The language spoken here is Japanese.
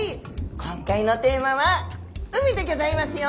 今回のテーマは「海」でぎょざいますよ。